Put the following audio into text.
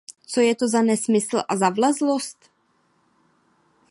Co je to za nesmysl a za vlezlost?